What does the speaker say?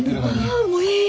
あもういいえ。